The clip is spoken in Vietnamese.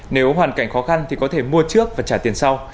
nếu hoàn cảnh khó khăn thì có thể mua trước và trả tiền sau